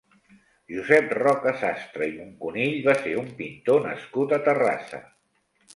Josep Roca-Sastre i Muncunill va ser un pintor nascut a Terrassa.